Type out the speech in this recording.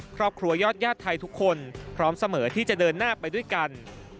ครอบครัวยอดญาติไทยทุกคนพร้อมเสมอที่จะเดินหน้าไปด้วยกัน